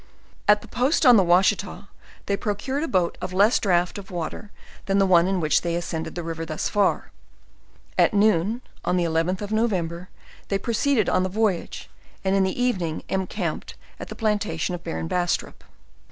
At the post on the Washita, they procured a boat of less draught of water than the one in which they ascended the river thus far; at noon, on the 1 1th of November, they pro ceeded on the voyage, and in the evening encamped at the plantation of Baron Bastrop.